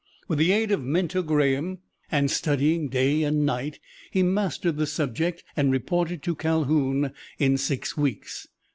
With the aid of Mentor Graham, and studying day and night, he mastered the subject and reported to Calhoun in six weeks.